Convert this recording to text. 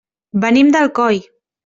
Venim d'Alcoi.